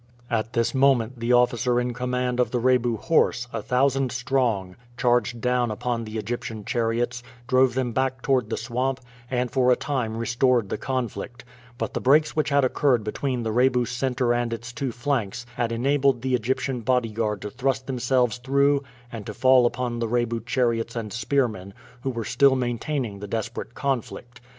At this moment the officer in command of the Rebu horse, a thousand strong, charged down upon the Egyptian chariots, drove them back toward the swamp, and for a time restored the conflict; but the breaks which had occurred between the Rebu center and its two flanks had enabled the Egyptian bodyguard to thrust themselves through and to fall upon the Rebu chariots and spearmen, who were still maintaining the desperate conflict.